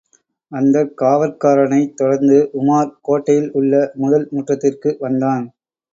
அந்தக் காவற்காரனைத் தொடர்ந்து உமார் கோட்டையில் உள்ள முதல் முற்றத்திற்கு வந்தான்.